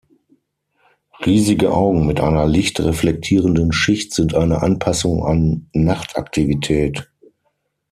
Riesige Augen mit einer Licht reflektierenden Schicht sind eine Anpassung an Nachtaktivität.